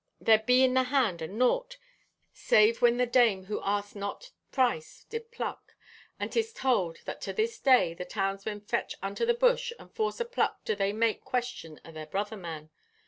There be in the hand a naught—save when the dame who asked not price did pluck. And 'tis told that to this day the townsmen fetch unto the bush and force apluck do they make question o' their brotherman.